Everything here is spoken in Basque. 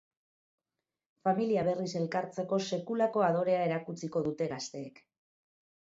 Familia berriz elkartzeko sekulako adorea erakutsiko dute gazteek.